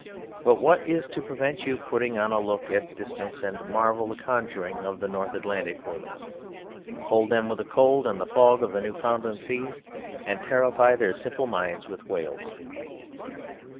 But what is to prevent you putting on a look of distance and marvel, and conjuring up the North Atlantic for them? Hold them with the cold and the fog of the Newfoundland seas, and terrify their simple minds with whales.